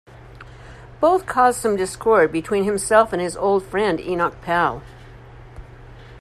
Both caused some discord between himself and his old friend Enoch Powell.